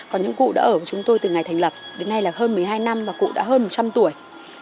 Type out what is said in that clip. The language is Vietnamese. còn những cụ đã ở với chúng tôi từ ngày thành lập đến nay là hơn một mươi hai năm và cụ đã hơn một trăm linh tuổi